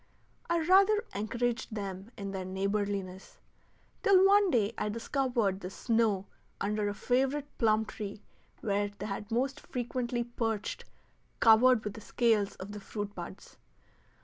I rather encouraged them in their neighborliness, till one day I discovered the snow under a favorite plum tree where they most frequently perched covered with the scales of the fruit buds.